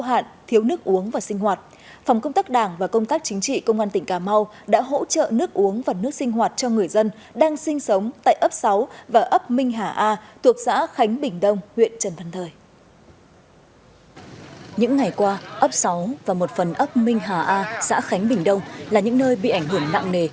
ấp sáu và một phần ấp minh hà a xã khánh bình đông là những nơi bị ảnh hưởng nặng nề